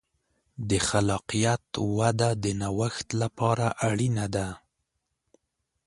د خلاقیت وده د نوښت لپاره اړینه ده.